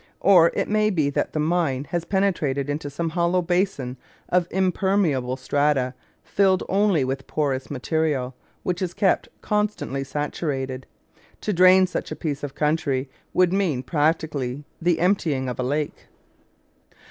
Or it may be that the mine has penetrated into some hollow basin of impermeable strata filled only with porous material which is kept constantly saturated. To drain such a piece of country would mean practically the emptying of a lake.